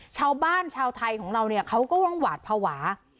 ชาวบ้านชาวไทยของเราเขาก็ว้างหวาดภาวะ